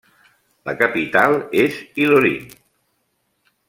La capital és Ilorin.